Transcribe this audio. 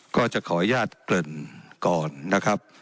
ก็จะขออนุญาตเกริ่นก่อนนะครับ